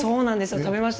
食べました。